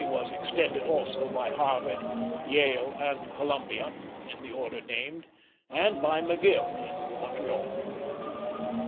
was extended also by Harvard, Yale, and Columbia, in the order named, and by McGill in Montreal.